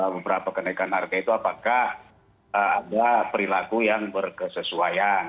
beberapa kenaikan harga itu apakah ada perilaku yang berkesesuaian